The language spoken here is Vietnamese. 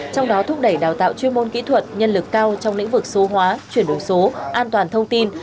trong đó thúc đẩy đào tạo chuyên môn kỹ thuật nhân lực cao trong lĩnh vực số hóa chuyển đổi số an toàn thông tin